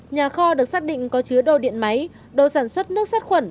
nhà kho được xác định có chứa đồ điện máy đồ sản xuất nước sát khuẩn